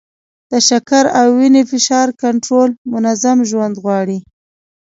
د شکر او وینې فشار کنټرول منظم ژوند غواړي.